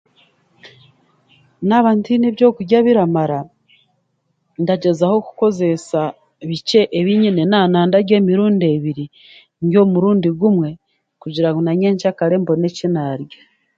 Naaba ntiine ebyokurya biramara, ndagyeza kukozeesa bikye ebi nyine, naaba na ndarya emirundi ebiri, ndye omurundi gumwe, kugira ngu na nyenkyakare mbone eki naarya.